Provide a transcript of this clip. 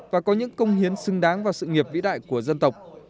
và có những công hiến xứng đáng vào sự nghiệp vĩ đại của dân tộc